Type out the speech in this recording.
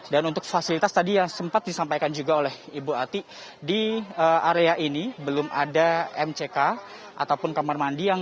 dan untuk fasilitas tadi yang sempat disampaikan juga oleh ibu ati di area ini belum ada mck ataupun kamar mandi